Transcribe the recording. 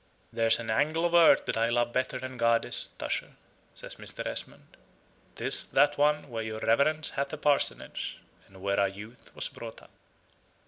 "There's an angle of earth that I love better than Gades, Tusher," says Mr. Esmond. "'Tis that one where your reverence hath a parsonage, and where our youth was brought up."